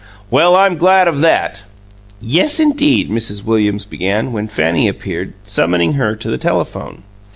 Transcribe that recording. "Well, I'm glad of that." "Yes, indeed " Mrs. Williams began, when Fanny appeared, summoning her to the telephone.